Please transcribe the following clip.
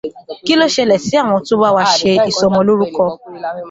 Kí ló ṣẹlẹ̀ sí awọn to wá bá wa ṣe ìsọmọlórúkọ?